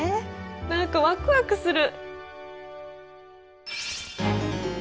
何かワクワクする！